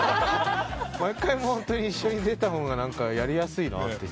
毎回一緒に出た方がやりやすいなって。